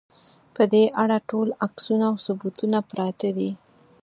په دې اړه ټول عکسونه او ثبوتونه پراته دي.